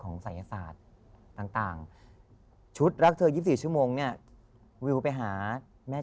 ศัยศาสตร์ต่างชุดรักเธอ๒๔ชั่วโมงเนี่ยวิวไปหาแม่